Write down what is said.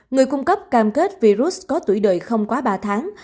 người cung cấp cam kết virus có tuổi đời không quá ba tháng